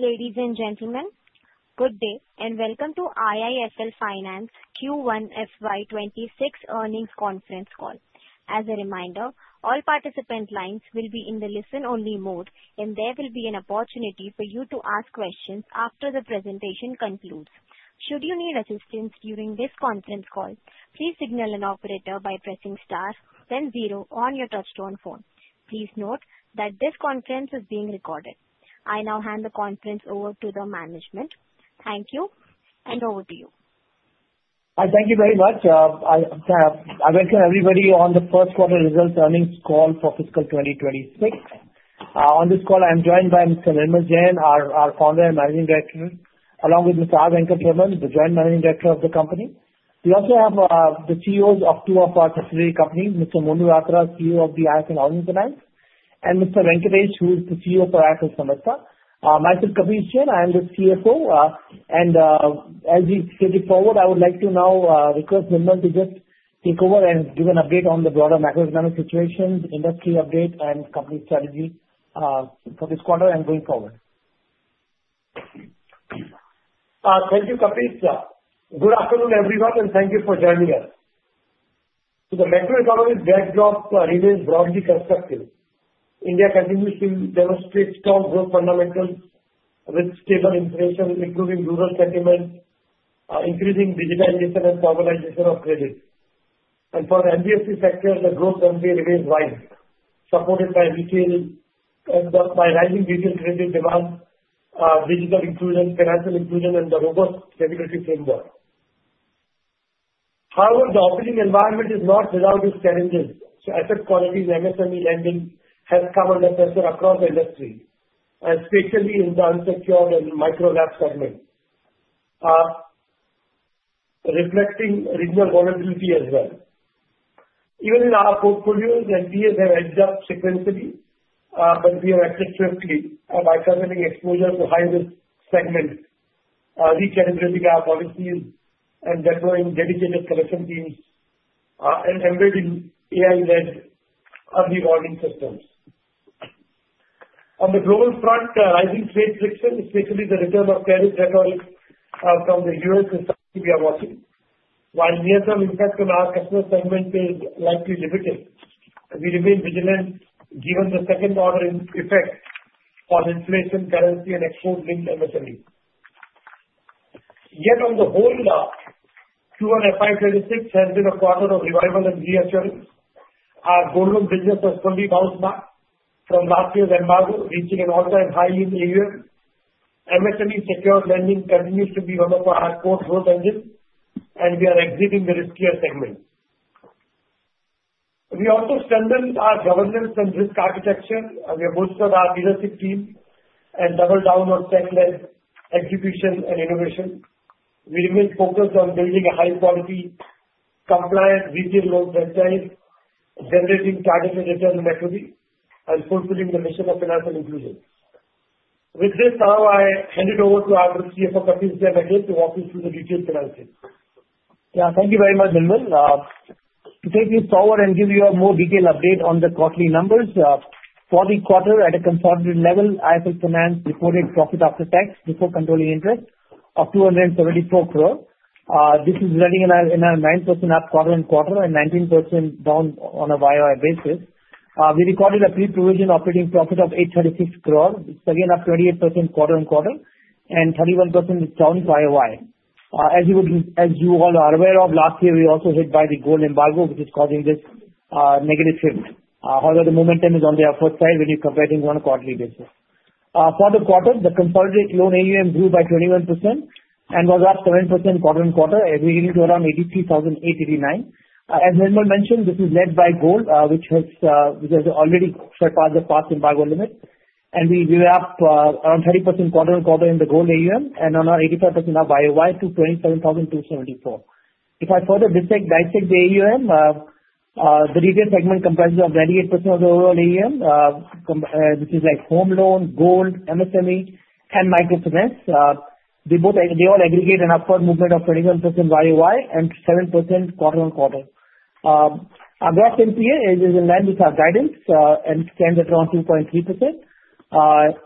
Ladies and gentlemen, good day, and welcome to IIFL Finance q one f y twenty six earnings conference call. As a reminder, all participant lines will be in the listen only mode, and there will be an opportunity for you to ask questions after the presentation concludes. Should you need assistance during this conference call, please signal an operator by pressing star then 0 on your touch tone phone. Please note that this conference is being recorded. I now hand the conference over to the management. Thank you, and over to you. Thank you very much. I welcome everybody on the first quarter results earnings call for fiscal twenty twenty six. On this call, I'm joined by Mr. Nirmal Jayan, our Founder and Managing Director along with Mr. A. Venkatraman, the Joint Managing Director of the company. We also have the CEOs of two of our subsidiary companies, Mr. Munu Atharah, CEO of the IAC and Audience Alliance and Mr. Venkatesh, who is the CEO for IAC and Samartha. Myself Kavishyan, I am the CFO. And as we sit it forward, I would like to now request Nirmala to just take over and give an update on the broader macroeconomic situation, industry update and company strategy for this quarter and going forward. Thank you, Kapiti. Afternoon, everyone, and thank you for joining us. So the macroeconomics backdrop remains broadly constructive. India continues to demonstrate strong growth fundamentals with state of inflation, including rural sentiment, increasing digitalization and normalization of credit. And for the MBSE sector, the growth on fee remains wide, supported by retail and by rising retail creative demand, digital inclusion, financial inclusion and the robust regulatory framework. However, the operating environment is not without its challenges. So asset quality, MSME lending has covered investors across the industry, especially in the unsecured and micro lab segment, reflecting regional volatility as well. Even in our portfolios, NPAs have edged up sequentially, but we have accepted swiftly by covering exposure to high risk segment, recalibrating our policies and deploying dedicated collection teams embedded in AI led early warning systems. On the global front, rising trade friction is basically the return of tariffs at all from The U. S. And some we are watching. While near term impact on our customer segment is likely limited, we remain vigilant given the second quarter effect on inflation, currency and export linked MSME. Yet on the whole, Q1 FY 'twenty six has been a quarter of revival and reassurance. Our boardroom business was 20 bounce back from last year's Embargo reaching an all time high in the year. MSME Secured Lending continues to be one of our core growth engines and we are exiting the riskier segment. We also strengthened our governance and risk architecture. We have bolstered our leadership team and doubled down on satellite execution and innovation. We remain focused on building a high quality compliant retail loan franchise, generating targets and returns in the country and fulfilling the mission of financial inclusion. With this, now I hand it over to our CFO, Patrice Dhevagil to walk you through the detailed financials. Yes. Thank you very much, Bilmal. To take this forward and give you a more detailed update on the quarterly numbers, for the quarter at a consolidated level, IFS Finance reported profit after tax before controlling interest of INR $2.74 crore. This is running in our 9% up quarter on quarter and 19% down on a Y o Y basis. We recorded a pre provision operating profit of INR $8.36 crore, it's again up 28 quarter on quarter and 31% is down Y o Y. As you all are aware of last year, were also hit by the gold embargo, which is causing this negative shift. However, the momentum is on the upward side when you're comparing on a quarterly basis. For the quarter, the consolidated loan AUM grew by 21% and was up 7% quarter on quarter, as we alluded to around $83,008.89. As Nirmal mentioned, this is led by gold, which has already surpassed the past embargo limit. And we were up around 30% quarter on quarter in the gold AUM and on our 85% of Y o Y to 27,274. If I further dissect the AUM, the retail segment comprises of 38% of the overall AUM, which is like home loan, gold, MSME and micro finance, they both they all aggregate an upward movement of 21% Y o Y and 7% quarter on quarter. Our gross NPA is in line with our guidance and stands at around 2.3%.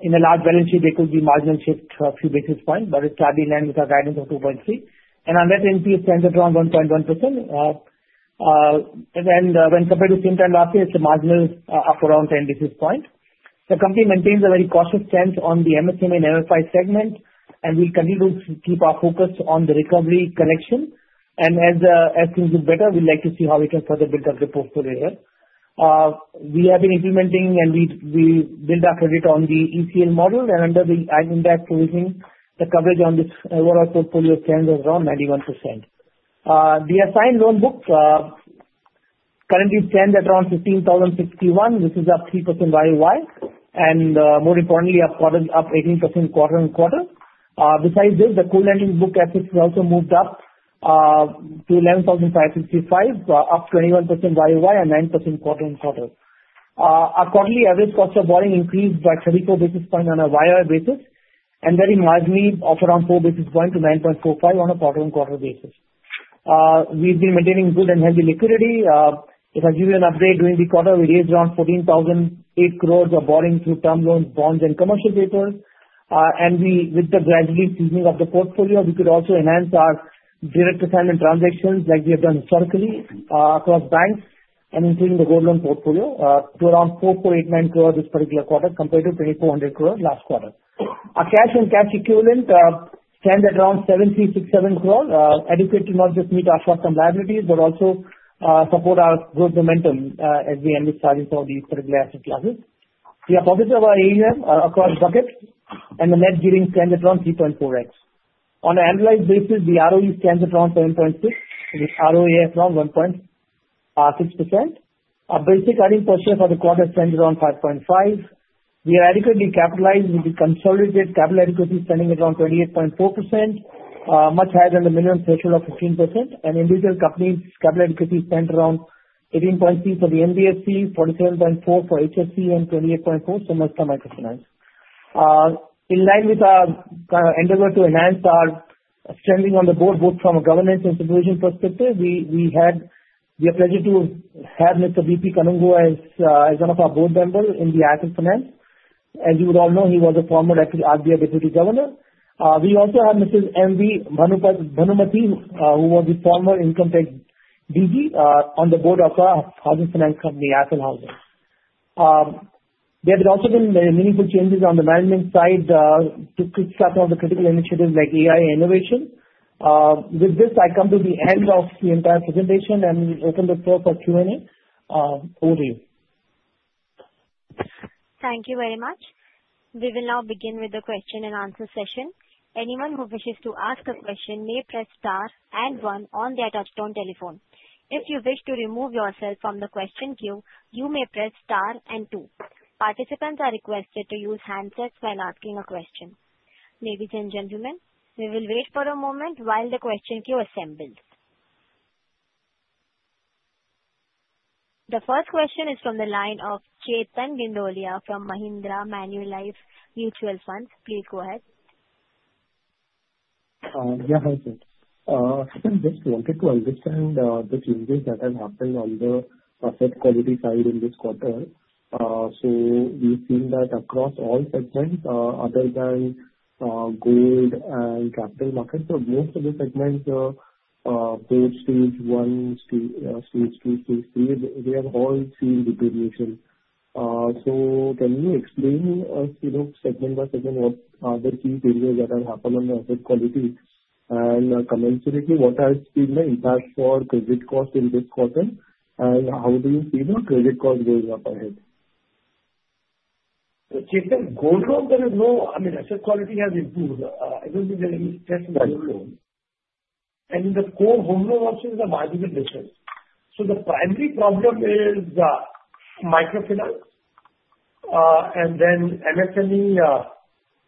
In a large balance sheet, it could be margin shift a few basis points, but it's largely in line with our guidance of 2.3%. And our net NPL stands at around 1.1%. And then when compared to same time last year, the margin is up around 10 basis points. The company maintains a very cautious stance on the MSM and MFI segment, and we continue to keep our focus on the recovery connection. And as things get better, we'd like to see how we can further build up the portfolio here. We have been implementing and we build our credit on the ECL model and under the Ag Impact provision, the coverage on this overall portfolio stands around 91%. The assigned loan book currently stands at around $15,061 which is up 3% Y o Y and more importantly up 18% quarter on quarter. Besides this, the core lending book assets also moved up to 11,005 and 65, up 21% Y o Y and 9% quarter on quarter. Our quarterly average cost of borrowing increased by 34 basis points on a Y o Y basis and very marginally of around four basis points to 9.45 on a quarter on quarter basis. We've been maintaining good and healthy liquidity. If I give you an update, during the quarter, we raised around 1408 crores of borrowings through term loans, bonds and commercial paper. And we with the gradually seasoning of the portfolio, we could also enhance our direct assignment transactions like we have done historically across banks and including the Role loan portfolio to around 4.89 crores this particular quarter compared to 2400 crores last quarter. Our cash and cash equivalent stands at around 7367 crores, adequate to not just meet our short term liabilities, but also support our growth momentum as we end the target for these particular asset classes. We are focused on our AUM across buckets and the net gearing stands at around 3.4x. On an annualized basis, the ROE stands at around 7.6% and its ROA is around 1.6%. Our basic earning portion for the quarter stands around 5.5%. We are adequately capitalized with the consolidated capital adequacy spending around 28.4%, much higher than the minimum threshold of 15%. And individual companies' capital adequacy spent around 18.3% for the MBSE, 47.4% for HSBC and 28.4% so much for Microfinance. In line with our endeavor to enhance our standing on the Board, both from a governance and supervision perspective, we we are pleased to have Mr. V. P. Kanungo as one of our Board members in the asset finance. As you would all know, he was a former RBI Deputy Governor. We also have Mr. M. V. Banu Mathi, who was the former income tax DG on the Board of our housing finance company, Apple Housing. There has also been very meaningful changes on the management side to kick start on the critical initiatives like AI innovation. With this, I come to the end of the entire presentation and open the floor for q and a. Over you. Thank you very much. We will now begin with the question and answer session. Anyone who wishes to ask a question may press star and one on their touch tone telephone. If you wish to remove yourself from the question queue, you may press star and 2. Participants are requested to use handsets when asking a question. Ladies and gentlemen, we will wait for a moment while the question queue assembles. The first question is from the line of from Mahindra Manualife Mutual Funds. Please go ahead. Yeah. Hi, sir. Sir, just wanted to understand the changes that are happening on the asset quality side in this quarter. So we've seen that across all segments other than gold and capital markets, so most of the segments, both stage one, stage two, stage three, they have all seen degradation. So can you explain us segment by segment, what are the key figures that have happened on asset quality? Commensurately, has been the impact for credit cost in this quarter? And how do you see the credit cost going up ahead? The primary problem is microfinance and then MSME,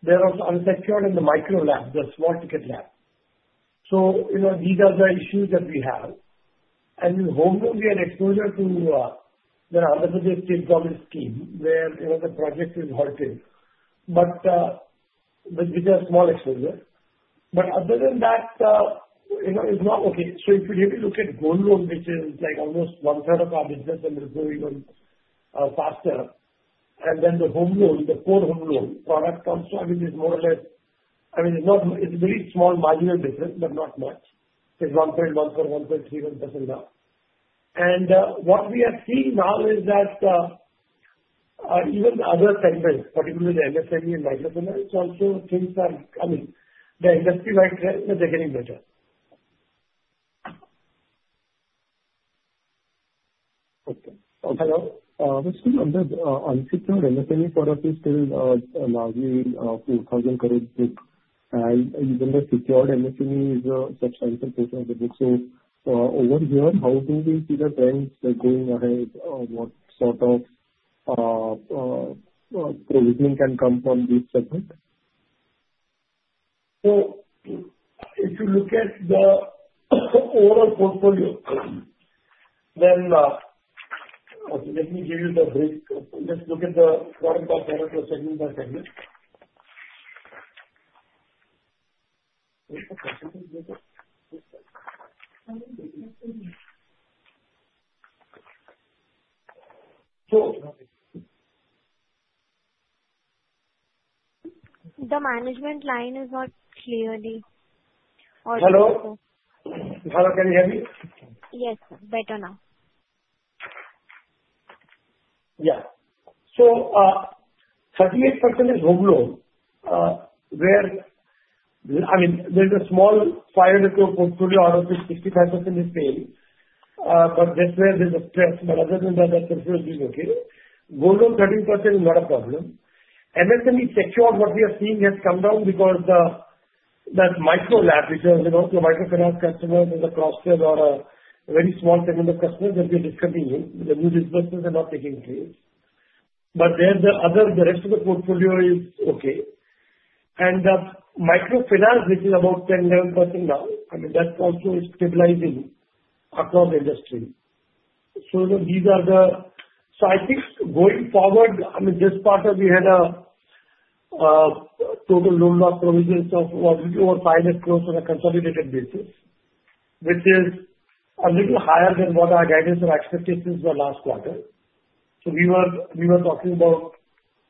there was unsecured in the micro lab, the small ticket lab. So these are the issues that we have. And in Home Loan, we had exposure to the other business in public scheme, where the project is halted, but with a small exposure. But other than that, it's not okay. So if you really look at gold loan, which is like almost one third of our business and will grow even faster. And then the home loan, the core home loan product comes to, I mean, it's very small marginal business, but not much. It's 1.14%, 1.31% now. And what we are seeing now is that even other segments, particularly the MSME and wider segments also things are I mean, the industry wide trends are getting better. Hello. Okay. Mr. On the unsecured NFME product is still largely 4,000 crores book and even the secured NFME is a subsidization program. Over here, how do we see the trends going ahead? Or what sort of provision can come from this segment? So if you look at the overall portfolio, then So the management line is not clearly audible, sir. Hello, can you hear me? Yes, sir. Better now. Yeah. So 38 is home loan where I mean, there's a small 500 crore portfolio out of which 65% is paid, but that's where there is a stress. But other than that, that portfolio is doing okay. GOLDOS 13% is not a problem. MSME sector on what we are seeing has come down because that micro lap, which is also microkerage customers in the cross sell or a very small segment of customers that we are discontinuing, the new disbursements are not taking place. But there the other the rest of the portfolio is okay. And microfinance, which is about 1011% now, I mean that's also stabilizing across the industry. So these are the so I think going forward, I mean this part of we had a total loan loss provisions of 500 crores on a consolidated basis, which is a little higher than what our guidance or expectations were last quarter. So we were talking about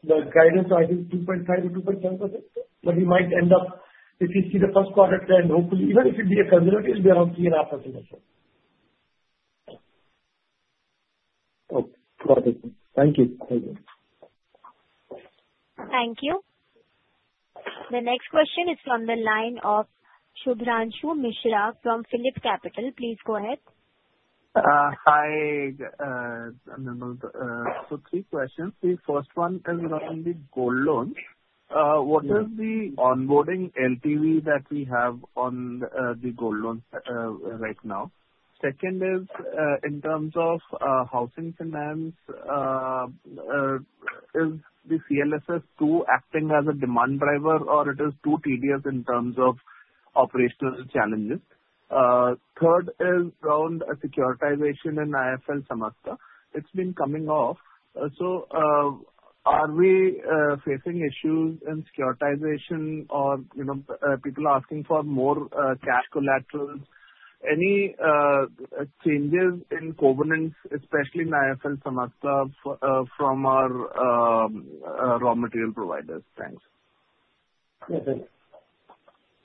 the guidance of I think 2.5% to 2.7%, but we might end up if you see the first quarter trend hopefully, even if it be a conservative, we are on 3.5 so. Okay. Got it. Thank you. Thank you. Thank you. The next question is from the line of Shivrantu Mishra from PhillipCapital. Please go ahead. Hi. So three questions. The first one is regarding the gold loan. What is the onboarding LTV that we have on the gold loan right now? Second is in terms of housing finance, is the CLSS two acting as a demand driver or it is too tedious in terms of operational challenges? Third is around securitization in IFL, Samasta. It's been coming off. So are we facing issues in securitization or, you know, people asking for more cash collaterals? Any changes in covenants, especially in IFL Samastra from our raw material providers? Thanks.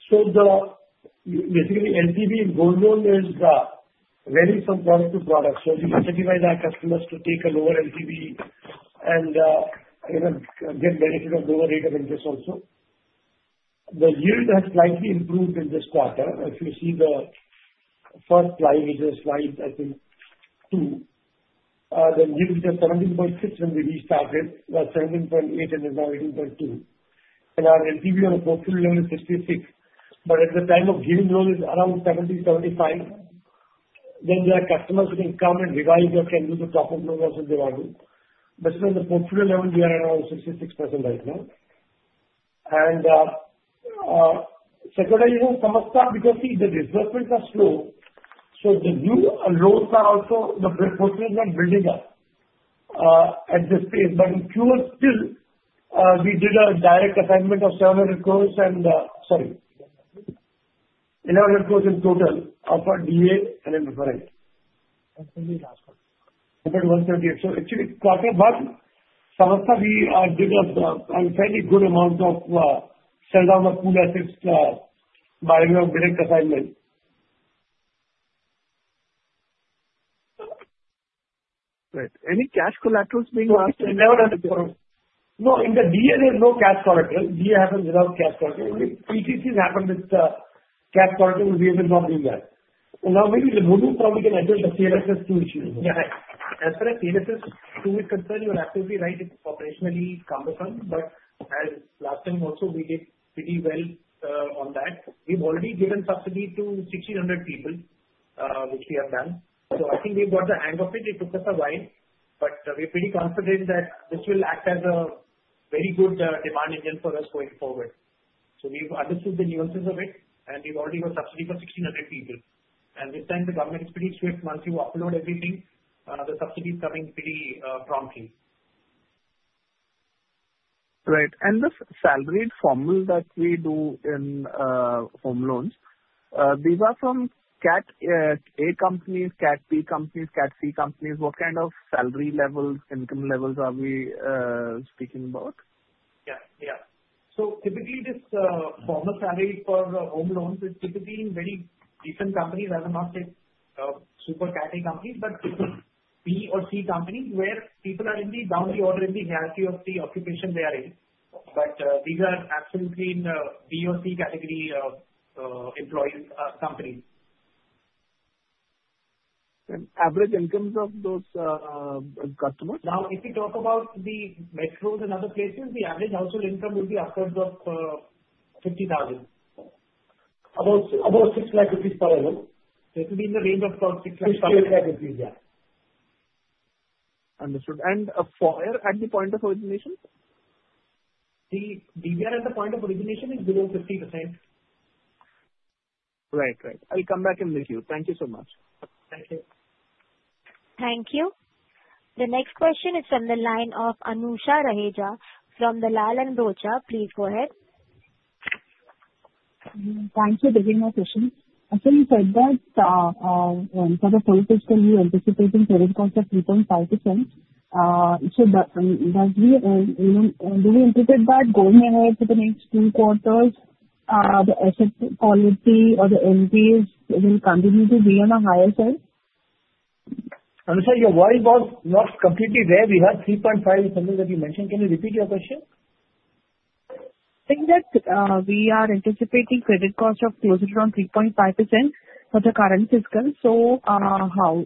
So basically, LTV in gold loan is very supportive product. So we incentivize our customers to take a lower LTV and get benefit of lower rate of interest also. The yield has slightly improved in this quarter. If you see the first slide, which is slide, I think two, the yield is 17.6% when we restarted, was 17.8% and is now 18.2 And our LTV on a portfolio level is 66, but at the time of giving roll is around 70%, 75%, then there are customers who can come and revise or can do the top of roll versus they are doing. But still on the portfolio level, we are around 66% right now. And secondly, know, from a start, because see the developments are slow. So the new loans are also the portfolio is not building up at this stage. But in Q1, still right, it's operationally cumbersome. But as last time also, did pretty well on that. We've already given subsidy to 1,600 people, which we have done. So I think we've got the hang of it. It took us a while, but we're pretty confident that this will act as a very good demand engine for us going forward. So we've understood the nuances of it, and we've already got subsidy for 1,600 people. And with time, the government is pretty swift. Once you upload everything, the subsidy is coming pretty promptly. Right. And this salary formal that we do in home loans, these are from cat a companies, cat b companies, cat c companies. What kind of salary levels, income levels are we speaking about? Yeah. Yeah. So, typically, this former salary for home loans is typically in very decent companies as a market super category companies, but B or C companies where people are in the boundary or in the hierarchy of the occupation they are in. But these are absolutely in B or C category of employees' company. And average incomes of those customers? Now if you talk about the metros and other places, the average household income will be upwards of 50,000. About about 6 lakh rupees per annum. So it will be in the range of about 6 lakh rupees. Yeah. Understood. And a foyer at the point of origination? The DVR at the point of origination is below 50%. Right. Right. I'll come back in with you. Thank you so much. Thank you. Thank you. The next question is from the line of Anusha Raja from the. Please go ahead. Thanks for taking my question. Actually, you said that for the purpose, can you anticipate in current cost of 3.5%? So that's. Do you anticipate that going ahead to the next two quarters, the asset quality or the NPAs will continue to be on a higher side? Sir, your voice was not completely there. We have 3.5 something that you mentioned. Can you repeat your question? I think that we are anticipating credit cost of closer to around 3.5% for the current fiscal. So how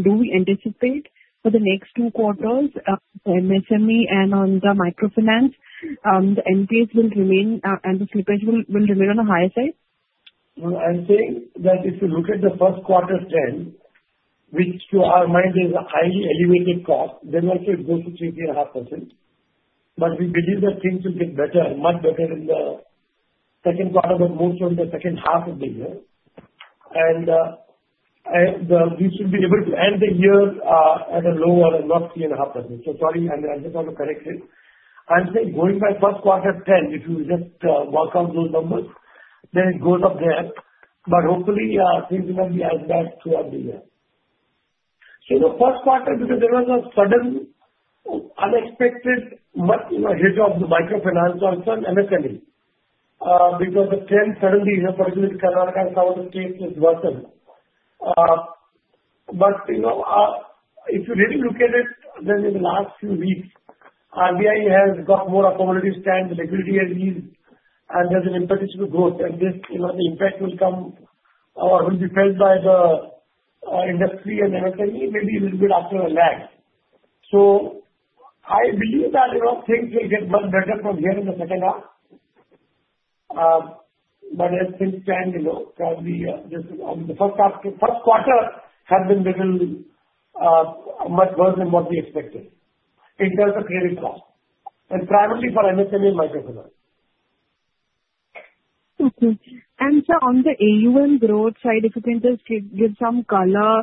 do we anticipate for the next two quarters, the MSME and on the microfinance, the NPAs will remain and the slippage will remain on a higher side? No. I'm saying that if you look at the first quarter's trend, which to our mind is a highly elevated cost, then let's say it goes to 3.5%. But we believe that things will get better, much better in the second part of the most of the second half of the year. And we should be able to end the year at a lower and not 3.5. So sorry, I just want to correct it. I'm saying going by first quarter 10%, if you just work on those numbers, then it goes up there. But hopefully, things will be as bad throughout the year. So the first quarter, because there was a sudden unexpected much hit of the microfinance also and SME because the trend suddenly for a good Kadarka and some of the states has worsened. But if you really look at it, then in the last few weeks, RBI has got more accommodative stance, liquidity has eased and there's an impetus to growth and this the impact will come or will be felt by the industry and the SME, maybe a little bit after a lag. So I believe that things will get much better from here in the second half. But as things stand, probably the first quarter has been little much worse than what we expected in terms of credit cost and primarily for MSM and Microfinance. Okay. And sir, on the AUM growth side, if you can just give some color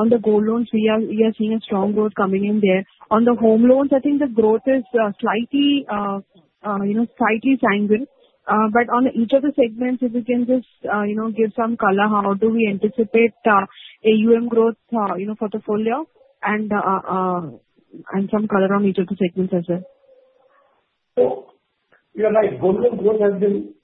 on the gold loans, are seeing a strong growth coming in there. On the home loans, I think the growth is slightly sanguine. But on each of the segments, if you can just give some color, how do we anticipate AUM growth for the full year and some color on each of the segments as well? So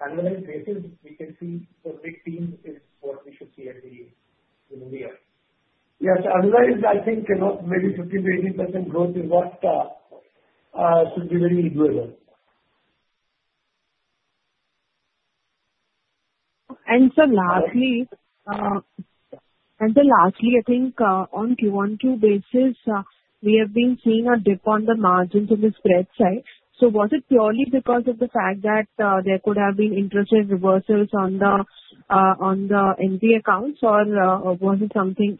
of the year. Yes, otherwise, think maybe 15 to 18 growth is what should be very equal. And sir, lastly and sir, lastly, I think on q on q basis, we have been seeing a dip on the margins in the spread side. So was it purely because of the fact that there could have been interest rate reversals on the on the NPE accounts or was it something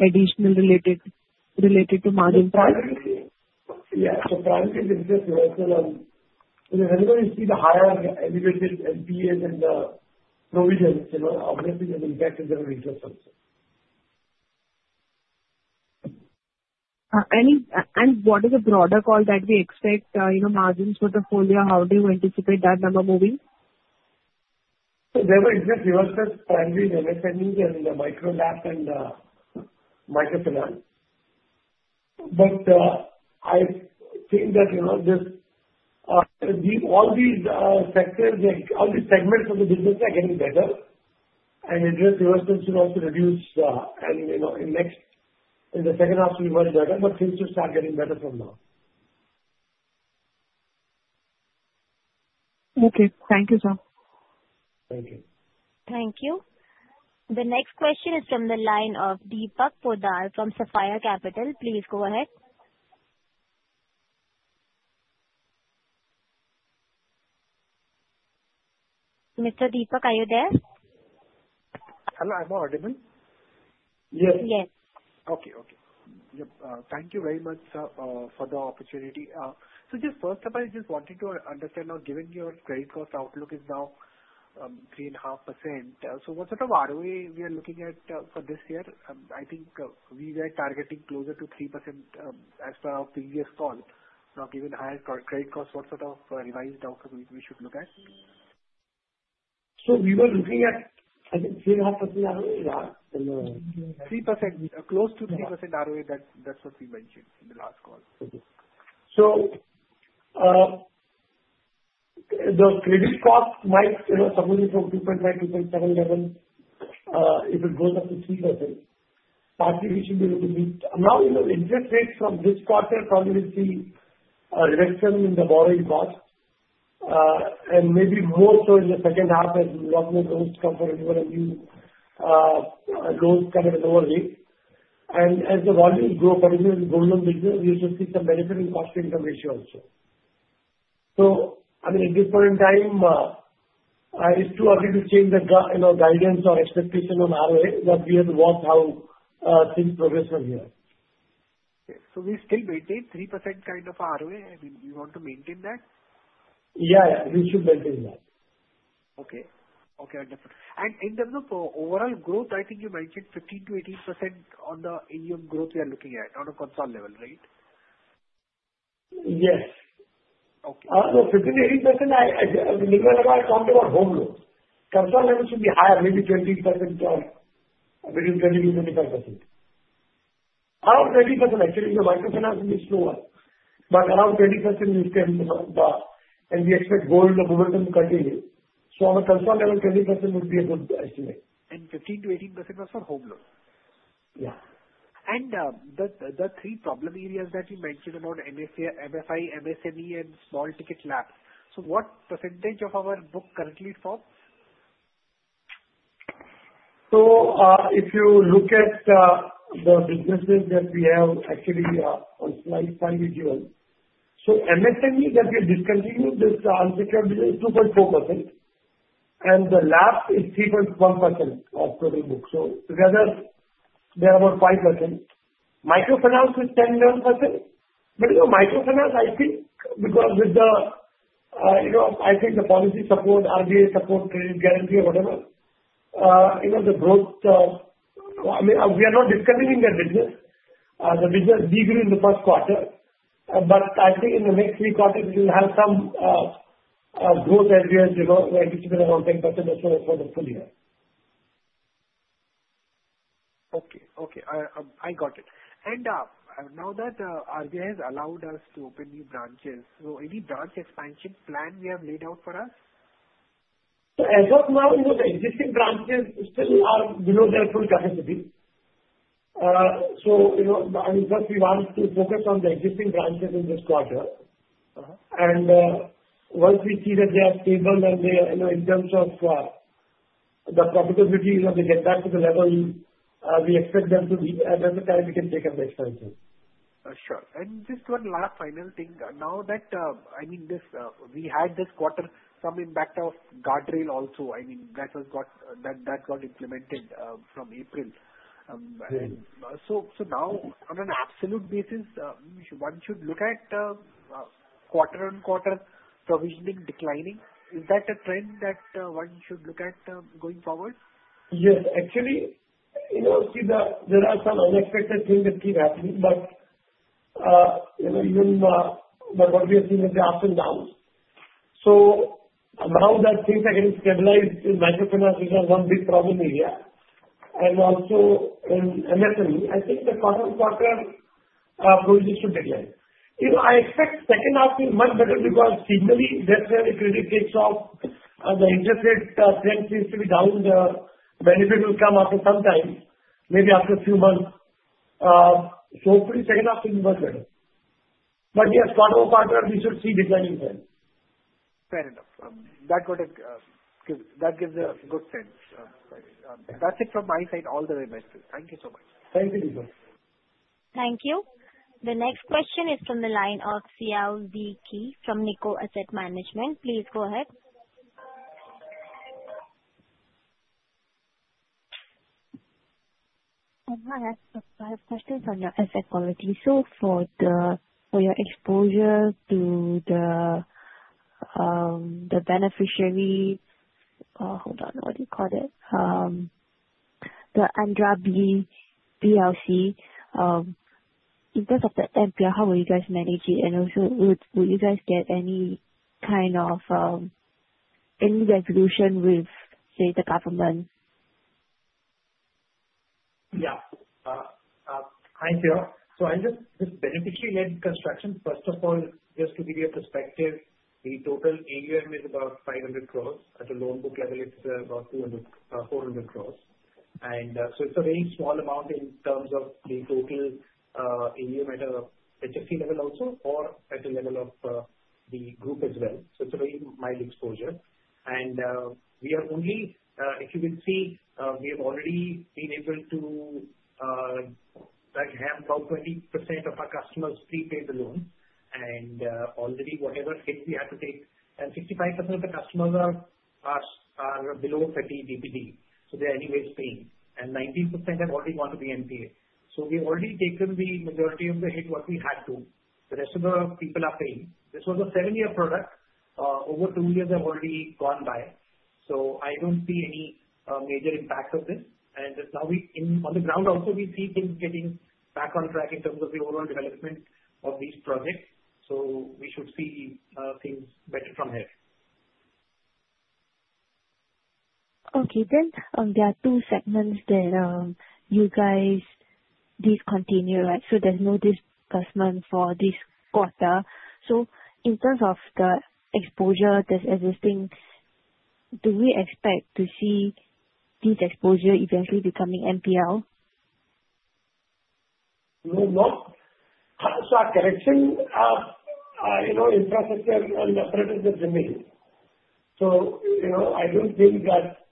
additional related to margin? Yes. So primarily, the interest reversal on whenever you see the higher elevated NPAs and the Any and what is the broader call that we expect margins for the full year, how do you anticipate that number moving? So there were just reverse trends, primarily the SMEs and microfinance. But I think that just all these sectors like all these segments of the business are getting better and interest reversals should also reduce and in the second half we will be better, but things will start getting better from now. Okay. Thank you, sir. Thank you. Thank you. The next question is from the line of from Sapphire Capital. Please go ahead. Mister are you there? Hello. Am I audible? Yes. Yes. Okay, okay. Thank you very much for the opportunity. So just first of all, I just wanted to understand now given your credit cost outlook is now 3.5%. So what sort of ROE we are looking at for this year? I think we were targeting closer to 3% as per our previous call. Now given higher credit costs, what sort of revised outlook we should look at? So we were looking at 3.5% ROA or 3%, close to 3% ROA, that's what we mentioned in the last call. So the credit cost might somewhere from 2.5, 2.7 level, if it goes up to 3%, And as the volumes grow continues to grow the business, we should see some benefit in cost to income ratio also. So I mean at this point in time, it's too early to change the guidance or expectation on ROA, but we have worked how since progressing here. So we still maintain 3% kind of ROA, I mean, do you want to maintain that? Yes, yes, we should maintain that. Okay, understood. And in terms of overall growth, I think you mentioned 15% to 18% on the AUM growth we are looking at on a console level, right? Yes. And 15% to 18% was for home loan? Yes. And the three problem areas that you mentioned about MFI, MSME and small ticket lapse, so what percentage of our book currently it falls? So if you look at the businesses that we have actually on Slide five is yours. So MSME that we discontinued this unsecured business is 2.4% and the last is 3.1% of total book. So rather, they are about 5%. Microfinance is 10%. But you know Microfinance, think because with the I think the policy support, RBA support, credit guarantee or whatever, the growth I mean, we are not discounting their business. The business de grew in the first quarter. But I think in the next three quarters, it will have some growth areas, which will be around 10% for the full year. Okay. Okay. I got it. And now that RJ has allowed us to open new branches, so any branch expansion plan you have laid out for us? As of now, the existing branches still are below their full capacity. So I mean first we wanted to focus on the existing branches in this quarter. And once we see that they are stable in terms of the profitability, they get back to the level, we expect them to be at every time we can take up the expenses. Sure. And just one last final thing, now that I mean this we had this quarter some impact of guardrail also, I mean that was got that got implemented from April. So now on an absolute basis, one should look at quarter on quarter provisioning declining. Is that a trend that one should look at going forward? Yes. Actually, see there are some unexpected things that keep happening, even what we have seen is the ups and downs. So now that things are getting stabilized in microfinance, which is one big problem area I the first quarter proceeds should decline. I expect second half is much better because seasonally that's where it really kicks off and the interest rate trend seems to be down, the benefit will come after some time, maybe after a few months. So free sale of things. But yes, partner, we should see declining there. Fair enough. That got a that a good sense. That's it from my side all the way, mister. Thank you so much. Thank you, Thank you. The next question is from the line of from Nico Asset Management. Please go ahead. I have questions on your asset quality. So for the for your exposure to the the beneficiary hold on. What do you call it? The Andra b BLC. In terms of the NPL, how will you guys manage it? And also, would would you guys get any kind of any resolution with, say, the government? Yeah. Hi, sir. So I'll just this beneficiary led construction, first of all, just to give you a perspective, the total AUM is about 500 crores. At the loan book level it's about 400 crores. And so it's a very small amount in terms of the total AUM at a level also or at the level of the group as well. So it's a very mild exposure. And we are only if you will see, we have already been able to, like, have about 20% of our customers prepaid the loan, and already whatever hit we have to take, And 65% of the customers are are are below 30 dbt. So they're anyways paying, and 19% have already gone to the NPA. So we've already taken the majority of the hit what we had to. The rest of the people are paying. This was a seven year product. Over two years have already gone by. So I don't see any major impact of this. And just now we in on the ground also, we see things getting back on track in terms of the overall development of these projects. So we should see things better from here. Okay. Then there are two segments that you guys discontinue, right? So there's no disbursement for this quarter. So in terms of the exposure, there's existing, do we expect to see this exposure eventually becoming NPL? No, not. So our correction, infrastructure and the apparatus is remaining. So I don't think that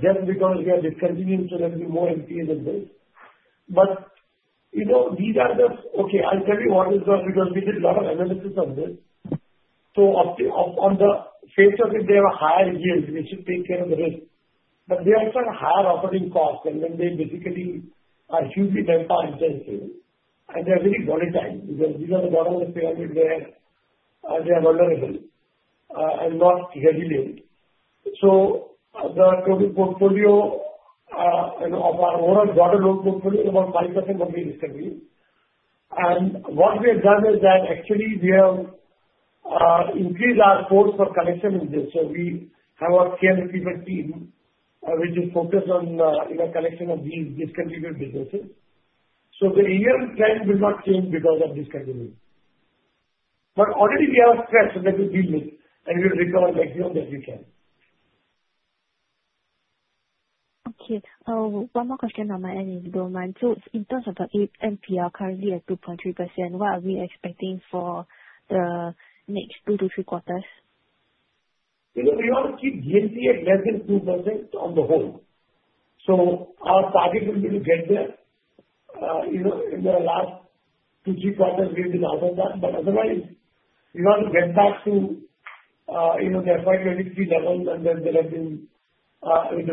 just because we are discontinuing to revenue more NPAs in this. But these are the okay, I'll tell you what is that because we did a lot of analysis of this. So on the face of it, have a higher yield, which should take care of the risk. But they also have higher operating costs and then they basically are hugely RevPAR in the same thing. And they are very volatile because these are the one on the payroll, they are vulnerable not resilient. So the total portfolio of our own broader loan portfolio is about 5% of the industry. And what we have done is that actually we have increased our cost for collection in this. So we have our care recruitment team, which is focused on collection of these discontinued businesses. So the year end trend will not change because of discontinuity. But already we are stressed that we deal with and we'll recover like yours as we can. Okay. One more question on my end, you don't mind. So in terms of the NPL currently at 2.3%, what are we expecting for the next two to three quarters? We want to keep GNC at less than 2% on the whole. So our target will be to get there in the last Okay. Thank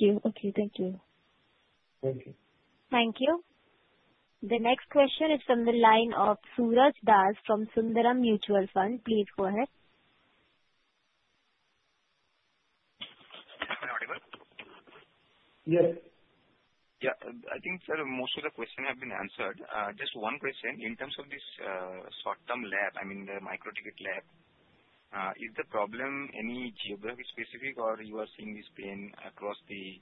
you. Okay. Thank you. Thank you. The next question is from the line of Suraj Das from Sundaram Mutual Fund. Please go ahead. Am I audible? Yes. Yeah. I think, sir, most of the question have been answered. Just one question. In terms of this short term lab, I mean, the micro ticket lab, is the problem any geography specific, or you are seeing this pain across the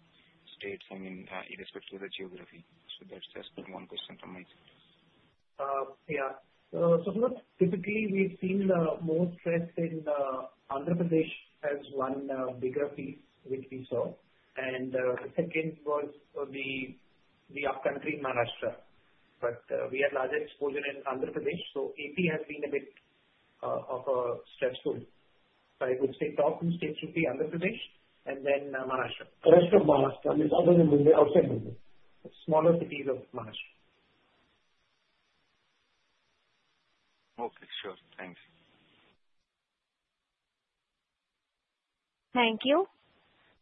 states, I mean, in respect to the geography? So that's just one question from me. So first, typically, we've seen more stress in Andhra Pradesh as one bigger piece, which we saw. And second was the the upcountry in Maharashtra. But we had larger exposure in Andhra Pradesh, so AP has been a bit of a stressful. But it would stay top in state should be Andhra Pradesh and then Maharashtra. The rest of Maharashtra is other than Munday, outside Munday, smaller cities of Maharashtra. Okay. Sure. Thanks. Thank you.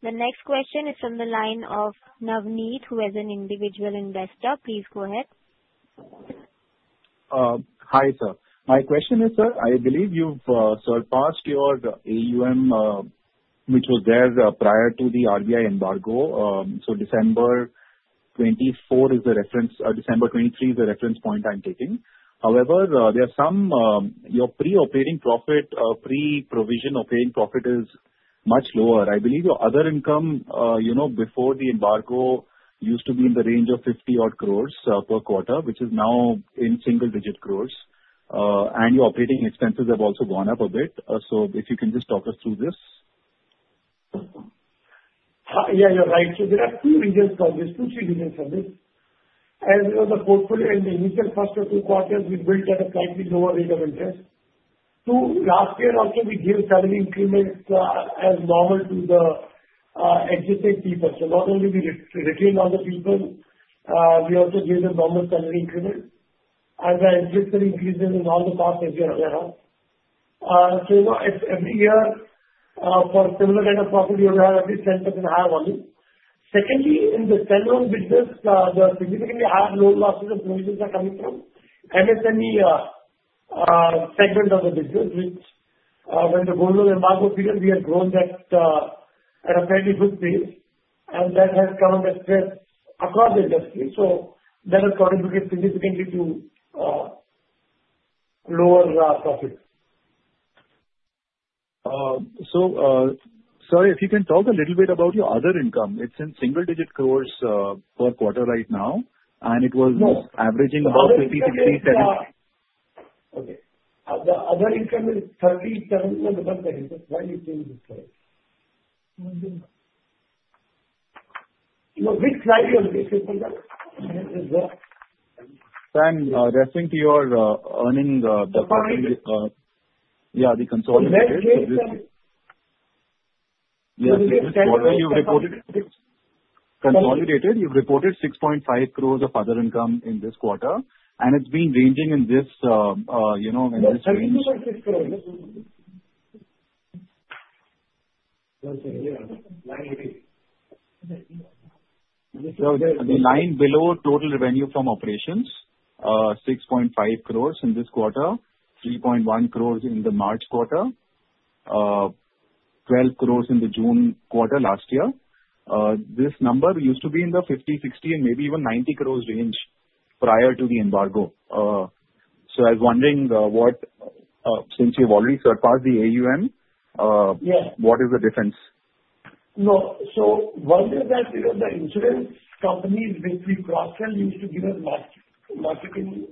The next question is from the line of Navneet, who is an individual investor. Please go ahead. Hi, sir. My question is, I believe you've surpassed your AUM, which was there prior to the RBI embargo. So December 24 is the reference December 23 is the reference point I'm taking. However, there are some your pre operating profit pre provision operating profit is much lower. I believe your other income before the embargo used to be in the range of 50 odd crores per quarter, which is now in single digit crores and your operating expenses have also gone up a bit. So if you can just talk us through this? Yes, you're right. So there are two regions for this, two regions for this. As the portfolio in the initial first of two quarters, we built at a slightly lower rate of interest. Last year also, we gave salary increments as normal to the when the Golar Imago period, we had grown that at a fairly good pace and that has come up across the industry. So that has contributed significantly to lower profit. So sir, if you can talk a little bit about your other income, it's in single digit crores per quarter right now and it was averaging 56,000 and yeah, the consolidated. Yes. In this quarter, reported consolidated, you've reported 6.5 crores of other income in this quarter, and it's been ranging in this, you know, The line below total revenue from operations, 6.5 crores in this quarter, 3.1 crores in the March, 12 crores in the June. This number used to be in the 50 crores, 60 crores and maybe even 90 crores range prior to the embargo. So I was wondering what since you've already surpassed the AUM, what is the difference? No. So one is that because the insurance companies which we cross sell used to give us marketing.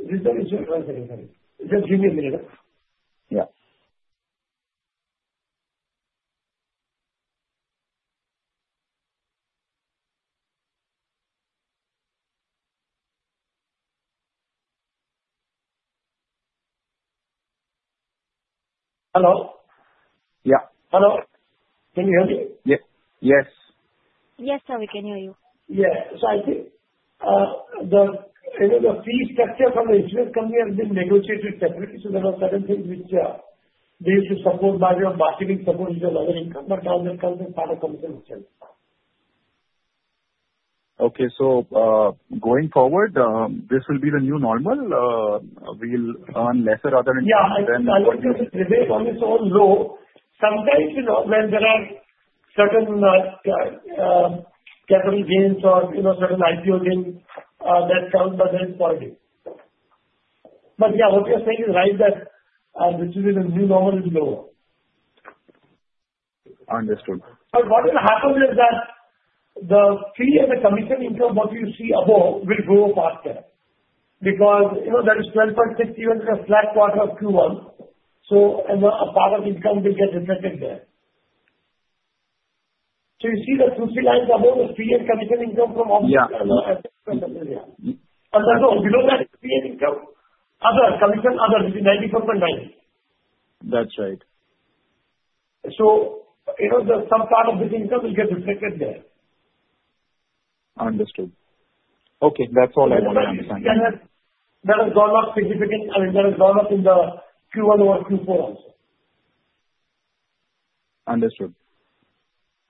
Yes. Hello. Yeah. Hello. Can you hear me? Yes. Yes sir, we can hear you. Yes. So I think the you know, the fee structure from the insurance company has been negotiated separately. So there are certain things which they used to support by their marketing support, which is lower income, but now the company's part of. Okay. So going forward, this will be the new normal? We'll earn lesser other than Yes, I would say, Radek, on this all low, sometimes when there are certain capital gains or certain IPO gains that comes by the end of the year. But yes, what you're saying is right that this is in a new normal low. Understood. But what will happen is that the fee and the commission income what you see above will grow faster, because that is 12.6 percent even in a flat quarter of Q1. So a part of income will get reflected there. So you see the two c lines above the previous commission income from office and the other. But no, below that, it's fee income. Other commission other, it's 94.9. That's right. So, it was a some part of this income will get reflected there. Understood. Okay. That's all I want to understand. That has gone up significant. I mean, there has gone up in the Q1 over Q4 also. Understood.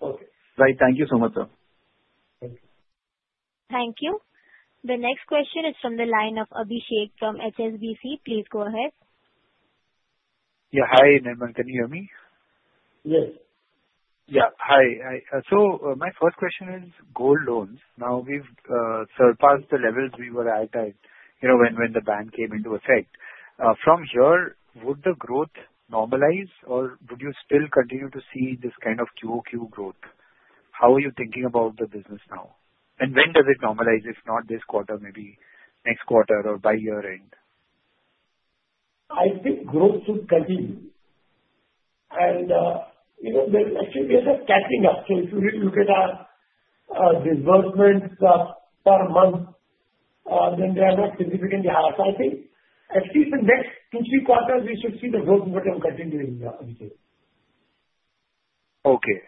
Okay. Right. Thank you so much, sir. Thank you. Thank you. The next question is from the line of Abhishek from HSBC. Please go ahead. Yeah. Hi, Nevan. Can you hear me? Yes. Yes. Hi. So my first question is gold loans. Now we've surpassed the levels we were at when the bank came into effect. From here, would the growth normalize? Or would you still continue to see this kind of Q o Q growth? How are you thinking about the business now? And when does it normalize, if not this quarter, maybe next quarter or by year end? I think growth should continue. And actually, there's a catching up. So if you really look at our disbursements per month, then they are not significantly higher pricing. At least in next two, three quarters, we should see the growth momentum continuing, I think. Okay.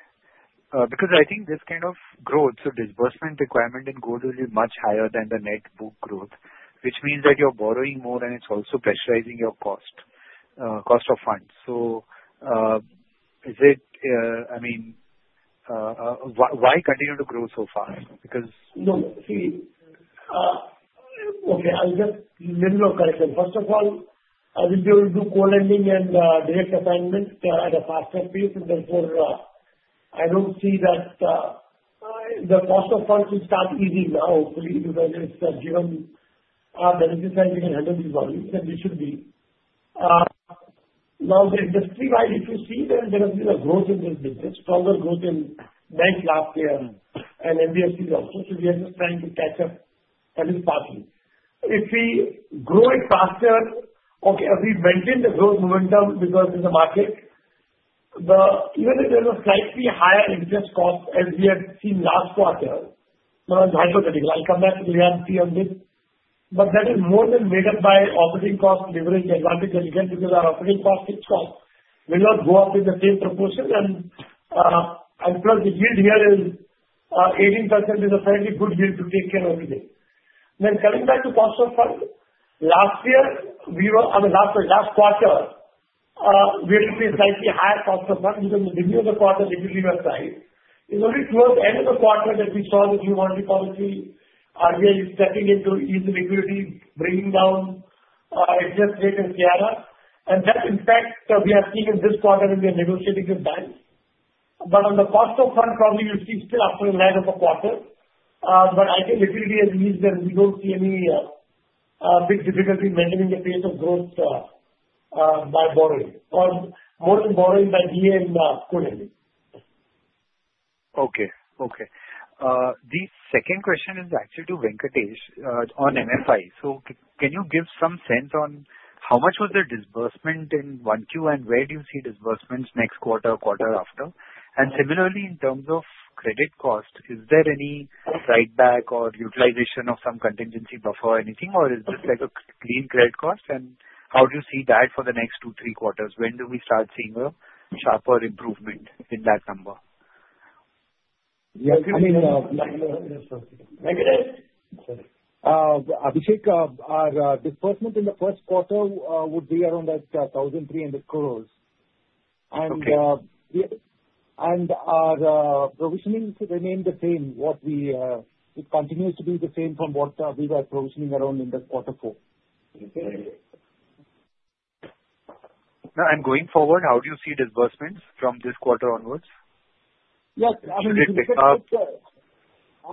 Because I think this kind of growth, so disbursement requirement in gold will be much higher than the net book growth, which means that you're borrowing more and it's also pressurizing your cost, cost of funds. So is it I mean, why continue to grow so far? Because No. See, okay, I'll just let me know correctly. First of all, I think we'll do co lending and direct assignment at a faster pace. And therefore, I don't see that the cost of funds will start easing now, hopefully, because it's given that this is having a handle these volumes and we should be. Now the industry wide, if you see that there has been a growth in this business, stronger growth in bank last year and NBFCs also, so we are just trying to catch up, that is partly. If we grow it faster, okay, as we maintain the growth momentum because in the market, even if there was slightly higher interest cost as we had seen last quarter, that was hydrophilic. I'll come back to Liav and C on this, But that is more than made up by operating cost leverage advantage as you can, because our operating cost fixed cost will not go up with the same proportion and plus the yield here is 18% is a fairly good yield to take care of today. Then coming back to cost of funds, last year we were I mean last quarter, we increased slightly higher cost of funds because the beginning of the quarter, we believe we right. It's only towards the end of the quarter that we saw the new warranty policy, we are stepping into ease of liquidity, bringing down interest rate in Kerala. And that in fact we have seen in this quarter when we are negotiating with banks. But on the cost of fund, probably we'll see still after a line of a quarter. But I think liquidity has eased and we don't see any big difficulty maintaining the pace of growth by borrowing or more than borrowing by DA and Co lending. Okay. The second question is actually to Venkatesh on MFI. So can you give some sense on how much was the disbursement in 1Q and where do you see disbursements next quarter, quarter after? And similarly, in terms of credit cost, is there any write back or utilization of some contingency buffer or anything? Or is this like a clean credit cost? And how do you see that for the next two, three quarters? When do we start seeing a sharper improvement in that number? Abhishek, our disbursement in the first quarter would be around 1,300 crores. And our provisioning remained the same, what we it continues to be the same from what we were provisioning around in the quarter four. And going forward, how do you see disbursements from this quarter onwards? I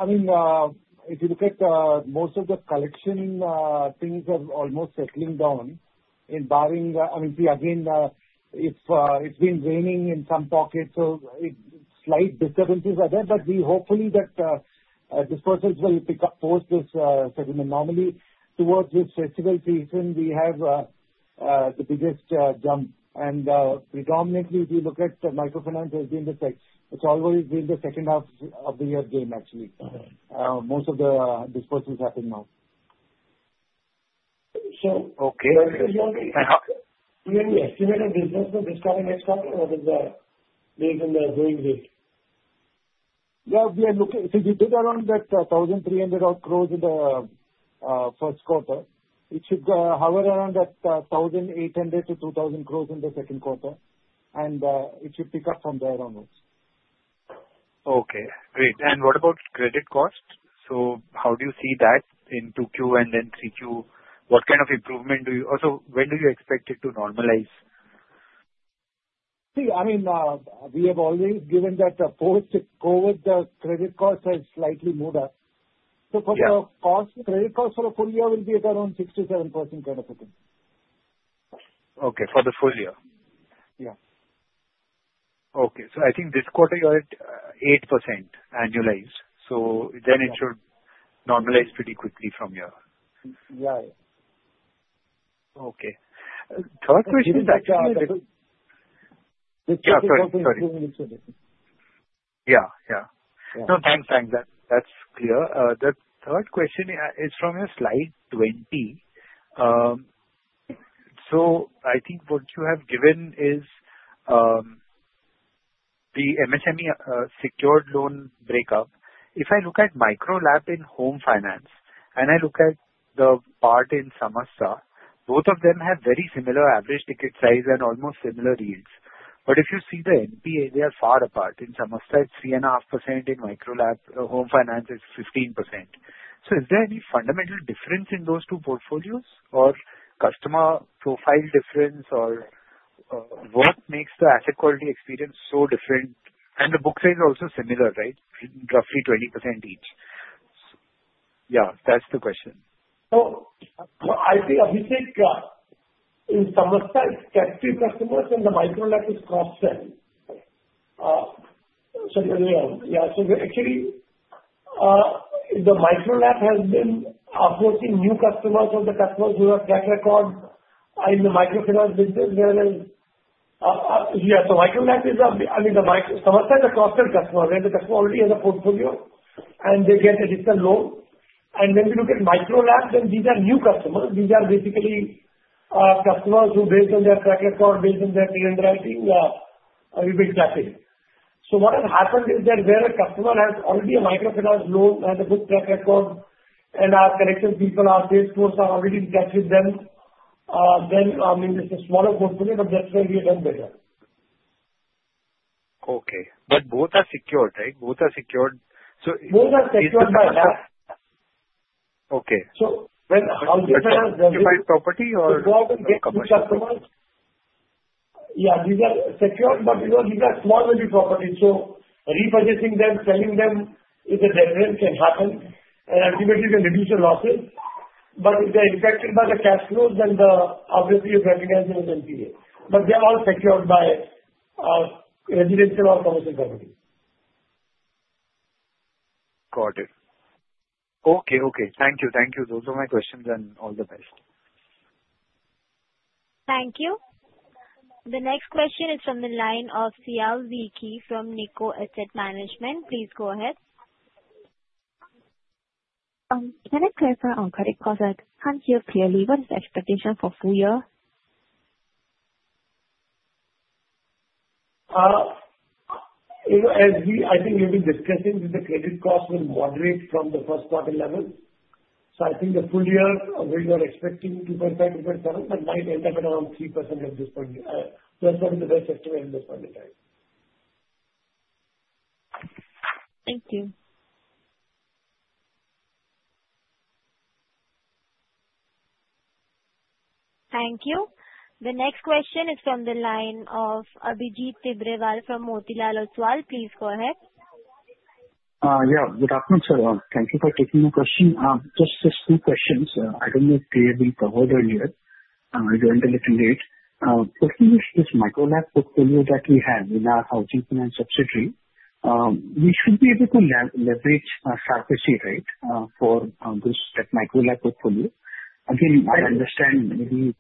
mean, you look at most of the collection things are almost settling down in barring I mean, see, again, if it's been raining in some pockets, so slight disturbances are there, but we hopefully that disposals will pick up post this settlement. Normally towards this festival season, we have the biggest jump. And predominantly if you look at microfinance has been the fact, it's always been the second half of the year's game actually. Most of the disbursements happen now. So, we have estimated business for this coming next quarter or is the base in the going rate? Yes, we are looking, if it is around that 1300 crores in the first quarter, it should hover around that 1800 crores to 2000 crores in the second quarter and it should pick up from there onwards. Okay, great. And what about credit cost? So how do you see that in 2Q and then 3Q? What kind of improvement do you also when do you expect it to normalize? See, I mean, we have always given that the COVID credit cost has slightly moved up. For the cost, credit cost for the full year will be at around 67% kind of a thing. Okay. For the full year? Yeah. Okay. So I think this quarter, you're at 8% annualized. Then it should normalize pretty quickly from here. Yeah. Okay. Third question is actually Yeah. No. Thanks, thanks. That's clear. The third question is from your Slide 20. So I think what you have given is the MSME secured loan breakup. If I look at MicroLab in Home Finance and I look at the part in Samasar, both of them have very similar average ticket size and almost similar yields. But if you see the NPA, they are far apart. In Samastra, it's 3.5% in Microlab Home Finance, it's 15%. So is there any fundamental difference in those two portfolios or customer profile difference or what makes the asset quality experience so different? And the book size is also similar, right, roughly 20% each. Yes, that's the question. So I think Abhishek, is some of the types customers and the Micronaut is cross sell. So actually, the Micronaut has been uproaching new customers from the customers who have track record in the microfinance business whereas yes, so Microlab is a I mean the Microsoft is a cross sell customer, they are the customer already in the portfolio and they get a different loan. And when we look at Microlab, then these are new customers. These are basically customers who based on their track record, based on their pre underwriting, we bit are tracking. So what has happened is that where a customer has already a microfinance low, has a good track record and our connection people, our base course are already catching them, then, I mean, it's a smaller portfolio, but that's why we have done better. Okay. But both are secured. Right? Both are secured. So Both are secured Okay. By So when you buy property or Yes, these are secured, but these are small value properties. So repurchasing them, selling them is a difference can happen and ultimately, they reduce your losses. But if they are impacted by the cash flows, then obviously, you recognize them as NPA. But they are all secured by residential or commercial company. Got it. Okay okay. Thank you. Thank you. Those are my questions and all the best. Thank you. The next question is from the line of from Nikko Asset Management. Please go ahead. Can I clarify on credit cost? I can't hear clearly what is the expectation for full year. As we I think we've been discussing with the credit cost will moderate from the first quarter level. So I think the full year, we were expecting 2.5%, 2.7%, but might end up around 3% at this point. That's not in the best estimate at this point in time. Thank you. Thank you. The next question is from the line of from. Please go ahead. Yeah. Good afternoon, sir. Thank you for taking my question. Just just two questions. I don't know if we covered earlier. I joined a little late. Firstly, this micro lab portfolio that we have in our housing finance subsidiary, we should be able to leverage services rate for this MicroLab portfolio. Again, I understand maybe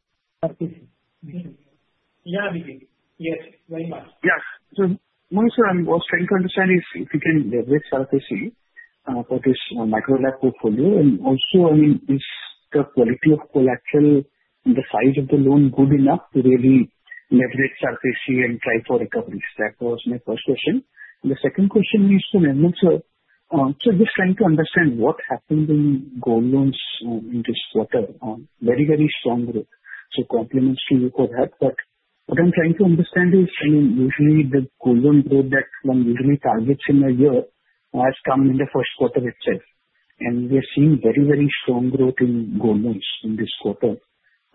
Yes. Much. Yes. So, Mohan sir, I was trying to understand if you can leverage RTC for this MicroLab portfolio and also I mean is the quality of collateral and the size of the loan good enough to really leverage RTC and try for recoveries. That was my first question. The second question is to remember, just trying to understand what happened in gold loans in this quarter, very, very strong growth. So compliments to you could have. But what I'm trying to understand is, I mean, usually the gold loan growth that one usually targets in a year has come in the first quarter itself. And we are seeing very, very strong growth in gold notes in this quarter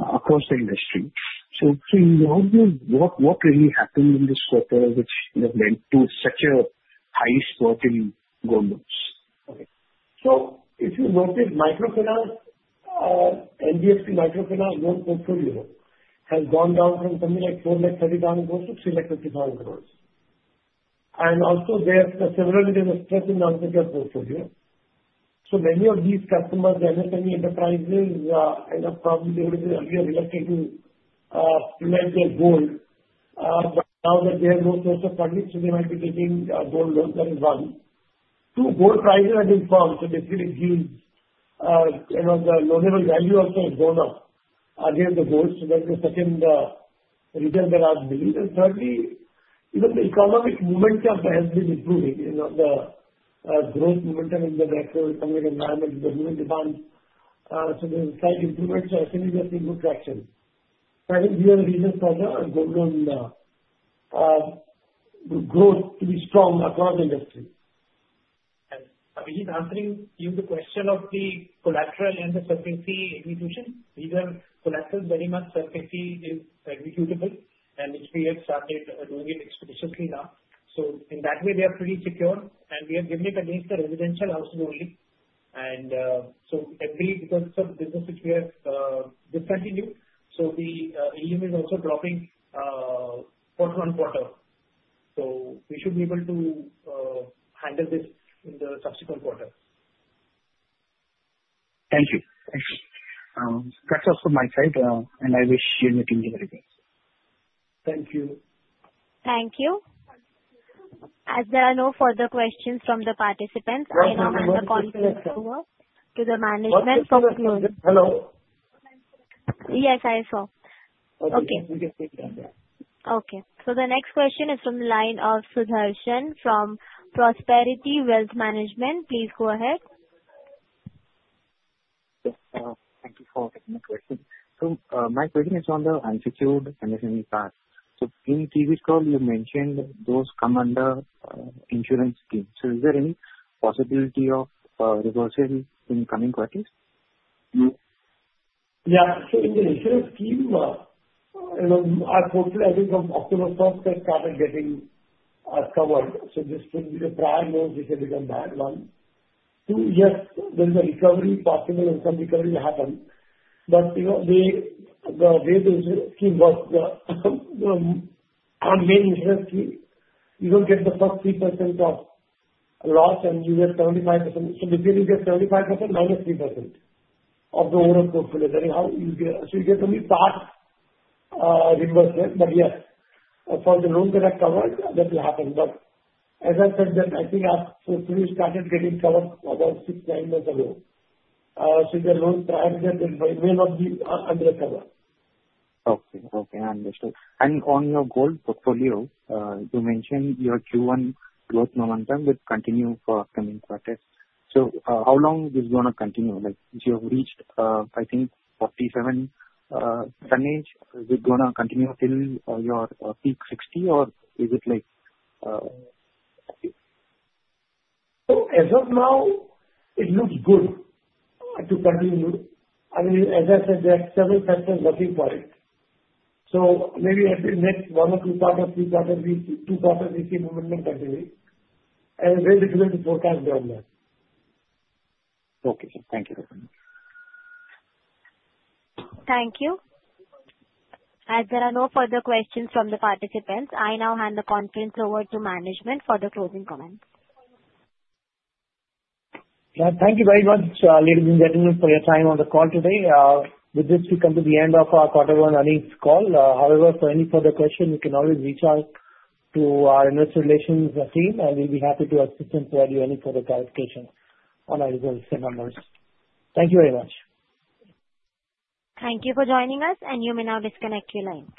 across the industry. So in all these, what really happened in this quarter, which led to such a high spot in gold notes? Okay. So if you notice Microfinance, NBFC Microfinance loan portfolio has gone down from something like 430,000 crores to 350,000 crores. That is the reason for the growth to be strong across the industry. Abhijit, answering you the question of the collateral and the sufficiency execution, these are collateral very much sufficiency is executable, and which we have started doing it expeditiously now. So in that way, they are pretty secure, and we have given it against the residential housing only. And so every because of business which we have discontinued, so the is also dropping quarter on quarter. So we should be able to handle this in the subsequent quarter. Thank you. Thanks. That's all from my side, and I wish you and your team everything. Thank you. Thank you. As there are no further questions from the participants, I now hand the conference over to the management. Hello. Yes, hi sir. Okay. We can speak on that. Okay. So the next question is from the line of from Prosperity Wealth Management. Please go ahead. Yes. Thank you for taking my question. So my question is on the unsecured and SME part. So in previous call, you mentioned those come under insurance scheme. So is there any possibility of reversal in coming quarters? Yes. So in the insurance scheme, our portfolio, I think from October 1, they started getting covered. So this will be the prior note, which has become bad one. Two, yes, there is a recovery possible and some recovery will happen. But way this scheme works, our main interest scheme, you don't get the first 3% of loss and you get 75%. So this year you get 75%, minus 3% of the overall portfolio. So you get only part reversal, but yes, for the loans that are covered, that will happen. But as I said that I think after we started getting covered about six, nine months ago. So the loans that have been made of the under cover. Okay. Okay. Understood. And on your gold portfolio, you mentioned your Q1 growth momentum will continue for upcoming quarters. So how long is this going to continue? Like, since you have reached, I think, 47 tonnage, is it going to continue till your peak 60? Or is it like So as of now, it looks good to continue. I mean, as I said, there are several factors working for it. So maybe at the next one or two quarters we see movement and very different forecast development. Okay sir, thank you very much. Thank you. As there are no further questions from participants, I now hand the conference over to management for the closing comments. Thank you very much, ladies and gentlemen, for your time on the call today. With this, we come to the end of our quarter one earnings call. However, for any further questions, you can always reach out to our investor relations team, and we'll be happy to assist and provide you any further clarification on our results and numbers. Thank you very much. Thank you for joining us, and you may now disconnect your lines.